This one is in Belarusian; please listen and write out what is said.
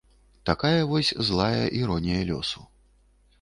Такая вось злая іронія лёсу.